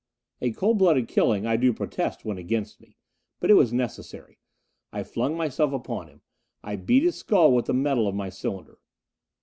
A cold blooded killing I do protest went against me. But it was necessary. I flung myself upon him. I beat his skull with the metal of my cylinder.